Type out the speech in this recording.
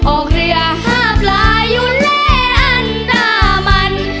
ออกเรือห้าพลายุเลอันดามัน